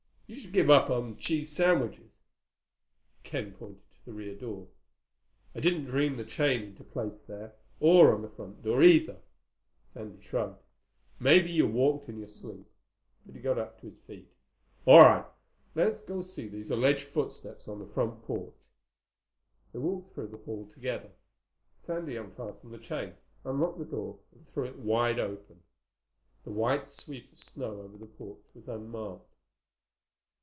You should give up cheese sandwiches." Ken pointed to the rear door. "I didn't dream the chain into place there. Or on the front door, either." Sandy shrugged. "Maybe you walked in your sleep." But he got to his feet. "All right. Let's go see these alleged footsteps on the front porch." They walked through the hall together. Sandy unfastened the chain, unlocked the door, and threw it wide open. The white sweep of snow over the porch was unmarked.